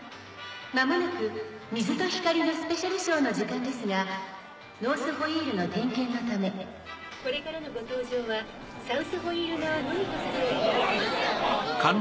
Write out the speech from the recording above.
間もなく水と光のスペシャルショーの時間ですがノースホイールの点検のためこれからのご搭乗はサウスホイール側のみとさせていただきます。